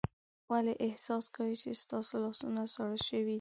ولې احساس کوئ چې ستاسو لاسونه ساړه شوي دي؟